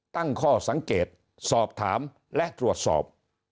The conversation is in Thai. ตั้งข้อสังเกตสอบถามและตรวจสอบ